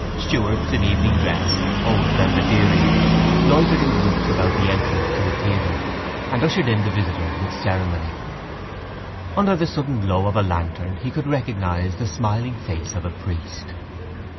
Stewards in evening dress, old Belvedereans, loitered in groups about the entrance to the theatre and ushered in the visitors with ceremony. Under the sudden glow of a lantern he could recognise the smiling face of a priest.